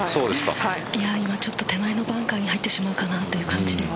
今ちょっと手前のバンカーに入ってしまうかなという感じ。